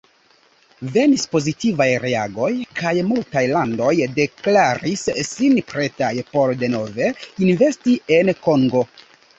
Venis pozitivaj reagoj kaj multaj landoj deklaris sin pretaj por denove investi en Kongo.